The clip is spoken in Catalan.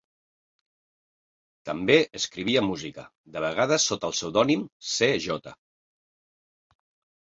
També escrivia música, de vegades sota el pseudònim C. J.